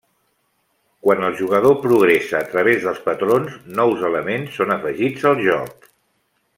Quan el jugador progressa a través dels patrons, nous elements són afegits al joc.